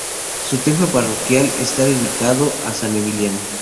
Su templo parroquial está dedicado a San Emiliano.